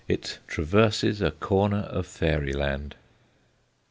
It traverses a corner of fairyland.